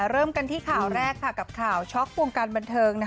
เริ่มกันที่ข่าวแรกกับข่าวช็อกวงการบันเทิง